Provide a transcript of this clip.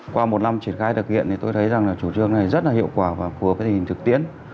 qua một năm triển khai thực hiện thì tôi thấy rằng là chủ trương này rất là hiệu quả và phù hợp với tình hình thực tiễn